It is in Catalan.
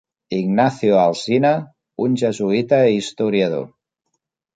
Ignacio Alcina, un jesuïta i historiador.